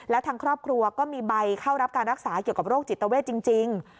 แล้วทางครอบครัวก็มีใบเข้ารับการรักษาเกี่ยวกับโรคจิตเวทจริง